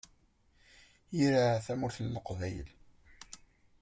Ira Tamurt n Leqbayel.